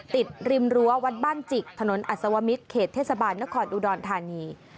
ติดริมรั้ววัดบ้านจิกถนนอัทซวมิตรเขตเทศบาลและคอร์ดอุดรทานี